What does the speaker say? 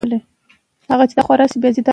بادام د افغان کلتور سره تړاو لري.